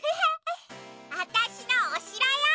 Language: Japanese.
わたしのおしろよ！